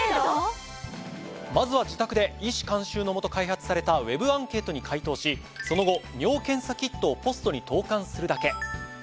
まずは自宅で医師監修のもと開発されたＷＥＢアンケートに回答しその後尿検査キットをポストに投函するだけ。